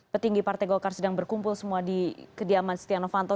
petinggi partai golkar sedang berkumpul semua di kediaman setia novanto